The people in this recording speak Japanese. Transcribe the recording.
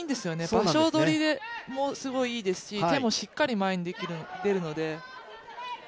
場所取りもすごくいいですし、手もしっかり前に出るので。